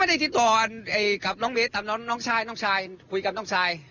ไม่ได้ติดต่อกับน้องเมทน้องชายน้องชายคุยกับน้องชาย